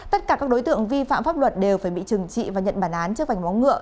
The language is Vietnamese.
tất cả các đối tượng vi phạm pháp luật đều phải bị trừng trị và nhận bản án trước vảnh móng ngựa